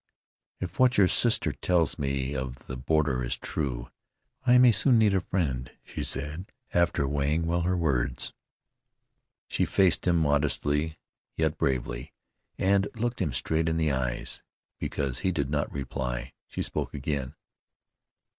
"If what your sister tells me of the border is true, I may soon need a friend," she said, after weighing well her words. She faced him modestly yet bravely, and looked him straight in the eyes. Because he did not reply she spoke again.